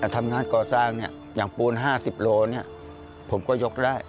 ทำงานก่อสร้างอย่างปูน๕๐โลผมก็ยกได้